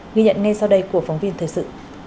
ghi nhận ngay sau đây của phóng viên thời sự